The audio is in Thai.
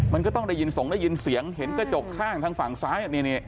มันก็ต้องได้ยินส่งได้ยินเสียงเห็นกระจกข้างทางฝั่งซ้าย